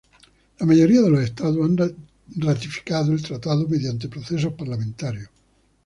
La mayoría de los estados han ratificado el tratado mediante procesos parlamentarios.